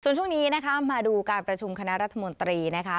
ส่วนช่วงนี้นะคะมาดูการประชุมคณะรัฐมนตรีนะคะ